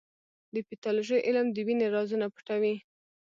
د پیتالوژي علم د وینې رازونه پټوي.